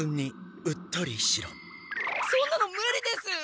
そんなのムリです！